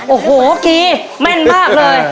โอ้โหกีแม่นมากเลย